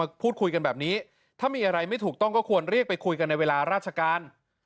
พูดคุยกันแบบนี้ถ้ามีอะไรไม่ถูกต้องก็ควรเรียกไปคุยกันในเวลาราชการ